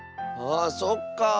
あそっか。